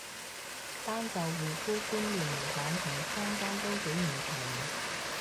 單就護膚觀念嚟講同坊間都幾唔同